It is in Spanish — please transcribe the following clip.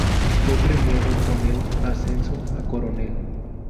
Fue premiado con el ascenso a coronel.